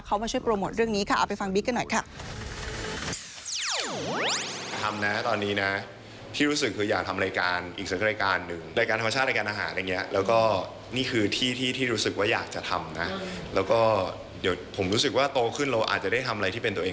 เขามาช่วยโปรโมทเรื่องนี้ค่ะเอาไปฟังบิ๊กกันหน่อยค่ะ